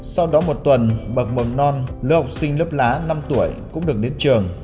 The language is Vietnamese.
sau đó một tuần bậc mầm non lưu học sinh lớp lá năm tuổi cũng được đến trường